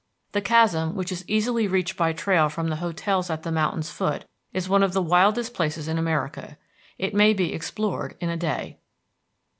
The Chasm, which is easily reached by trail from the hotels at the mountain's foot, is one of the wildest places in America. It may be explored in a day.